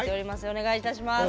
お願いいたします。